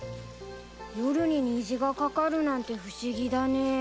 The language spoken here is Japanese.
夜に虹がかかるなんて不思議だね。